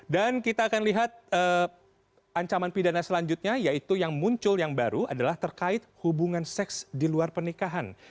dan kita akan lihat ancaman pidana selanjutnya yaitu yang muncul yang baru adalah terkait hubungan seks di luar pernikahan